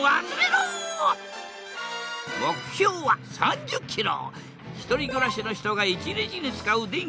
目標は３０キロ！